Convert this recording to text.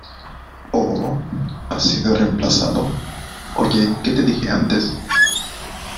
¡ Oh! ¿ has sido reemplazado? ¿ oye, qué te dije antes ?